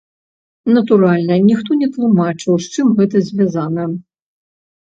Натуральна, ніхто не тлумачыў, з чым гэта звязана.